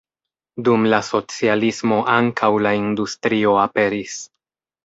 Dum la socialismo ankaŭ la industrio aperis.